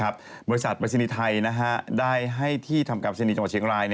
บริษัทปริศนีย์ไทยได้ให้ที่ทำการชนนีจังหวัดเชียงราย